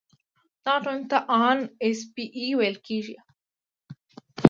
دغه ټولنې ته ان ایس پي اي ویل کیږي.